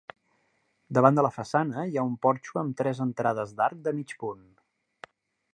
Davant de la façana hi ha un porxo amb tres entrades d'arc de mig punt.